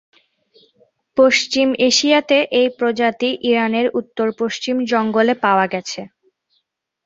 পশ্চিম এশিয়াতে, এই প্রজাতি ইরানের উত্তরপশ্চিম জঙ্গলে পাওয়া গেছে।